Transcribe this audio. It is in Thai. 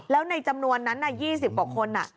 แล้วในจำนวนนั้น๒๐กว่าคน